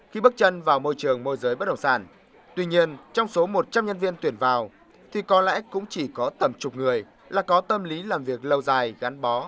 khi bước chân vào môi trường môi giới bất động sản tuy nhiên trong số một trăm linh nhân viên tuyển vào thì có lẽ cũng chỉ có tầm chục người là có tâm lý làm việc lâu dài gắn bó